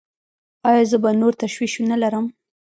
ایا زه به نور تشویش نلرم؟